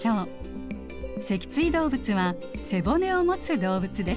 脊椎動物は背骨をもつ動物です。